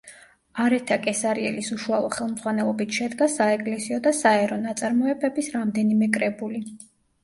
არეთა კესარიელის უშუალო ხელმძღვანელობით შედგა საეკლესიო და საერო ნაწარმოებების რამდენიმე კრებული.